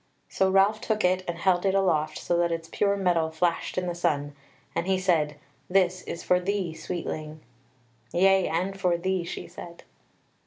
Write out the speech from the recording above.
So Ralph took it and held it aloft so that its pure metal flashed in the sun, and he said: "This is for thee, Sweetling." "Yea, and for thee," she said.